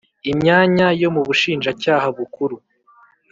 Imyanya yo mu Bushinjacyaha Bukuru